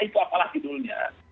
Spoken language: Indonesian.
itu apalah judulnya